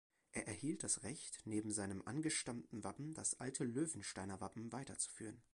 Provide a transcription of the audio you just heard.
Er erhielt das Recht, neben seinem angestammten Wappen das alte Löwensteiner Wappen weiterzuführen.